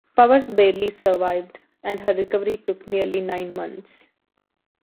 Powers barely survived, and her recovery took nearly nine months.